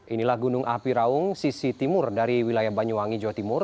inilah gunung api raung sisi timur dari wilayah banyuwangi jawa timur